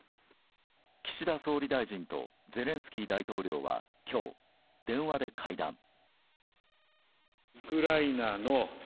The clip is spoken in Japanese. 岸田総理大臣とゼレンスキー大統領は今日電話で会談。